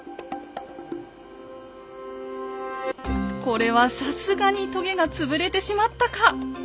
これはさすがにとげが潰れてしまったか？